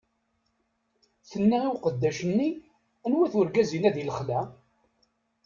Tenna i uqeddac-nni: Anwa-t urgaz inna di lexla?